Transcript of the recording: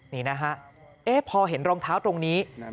นี่นะฮะพอเห็นรองเท้าตรงนี้